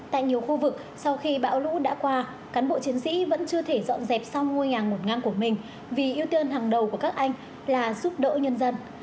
tại nhiều khu vực sau khi bão lũ đã qua cán bộ chiến sĩ vẫn chưa thể dọn dẹp xong ngôi nhà ngột ngang của mình vì ưu tiên hàng đầu của các anh là giúp đỡ nhân dân